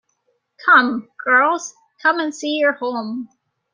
Come, girls, come and see your home!